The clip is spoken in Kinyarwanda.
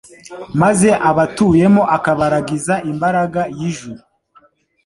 maze abatuyemo akabaragiza imbaraga y'ijuru.